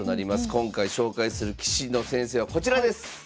今回紹介する棋士の先生はこちらです！